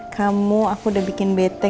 kamu aku udah bikin bete